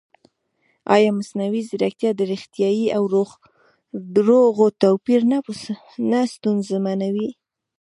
ایا مصنوعي ځیرکتیا د ریښتیا او دروغو توپیر نه ستونزمنوي؟